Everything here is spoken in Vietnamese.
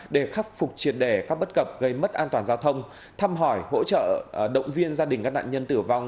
để khắc phục triệt đề các bất cập gây mất an toàn giao thông thăm hỏi hỗ trợ động viên gia đình các nạn nhân tử vong